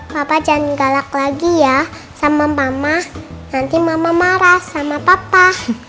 papa jangan galak lagi ya sama mama nanti mama marah sama papa